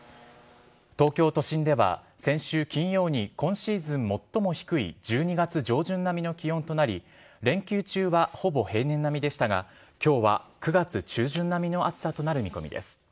東京都心では先週金曜に、今シーズン最も低い１２月上旬並みの気温となり、連休中はほぼ平年並みでしたが、きょうは９月中旬並みの暑さとなる見込みです。